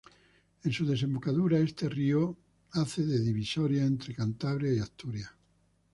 En su desembocadura este río hace de divisoria entre Cantabria y Asturias.